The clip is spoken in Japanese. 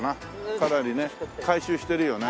かなりね改修してるよね。